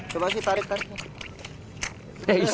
coba sih tarik tarik